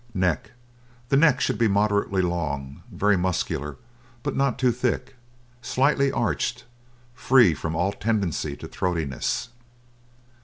NECK The neck should be moderately long, very muscular, but not too thick; slightly arched, free from all tendency to throatiness.